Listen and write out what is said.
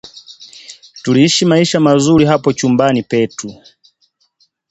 Tuliishi maisha mazuri hapo chumbani petu